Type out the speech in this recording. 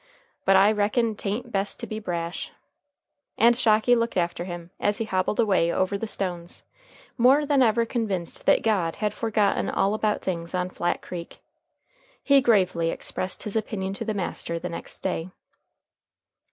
But I reckon 'ta'n't best to be brash." And Shocky looked after him, as he hobbled away over the stones, more than ever convinced that God had forgotten all about things on Flat Creek. He gravely expressed his opinion to the master the next day.